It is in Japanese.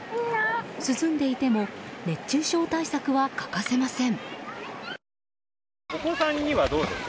涼んでいても熱中症対策は欠かせません。